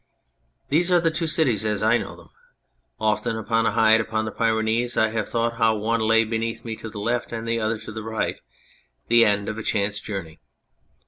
These are the two cities as I know them. Often upon a height upon the Pyrenees I have thought how one lay beneath me to the left, the other to the right, the end of a chance journey.